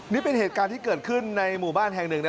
นี่เป็นเหตุการณ์ที่เกิดขึ้นในหมู่บ้านแห่งหนึ่งนะ